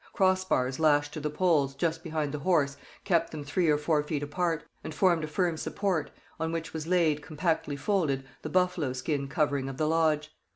Crossbars lashed to the poles, just behind the horse, kept them three or four feet apart, and formed a firm support, on which was laid, compactly folded, the buffalo skin covering of the lodge.